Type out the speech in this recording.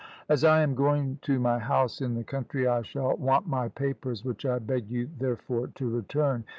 "As I am going to my house in the country, I shall want my papers, which I beg you therefore to return.